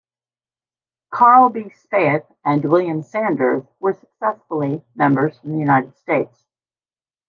Carl B. Spaeth and William Sanders were successively members from the United States.